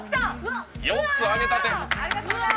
４つ揚げたて。